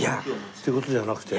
っていう事じゃなくて？